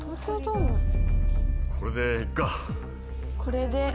これで。